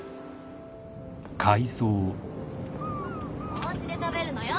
おうちで食べるのよ